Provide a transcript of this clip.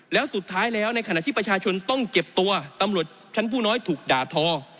แล้วสุดท้ายแล้วในขณะที่ประชาชนต้องเจ็บตัวตำรวจชั้นผู้น้อยถูกด่าทอ